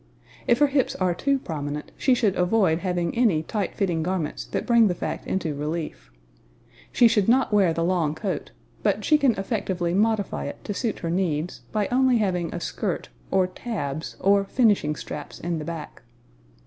If her hips are too prominent, she should avoid having any tight fitting garments that bring the fact into relief. She should not wear the long coat, but she can effectively modify it to suit her needs, by only having a skirt, or tabs, or finishing straps in the back.